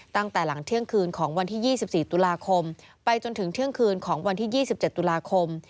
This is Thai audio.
ตั้งแต่หลังเที่ยงคืนของวันที่๒๔ตุลาคมไปจนถึงเที่ยงคืนของวันที่๒๗ตุลาคม